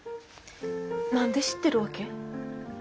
何で知ってるわけ？